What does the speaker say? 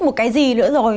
một cái gì nữa rồi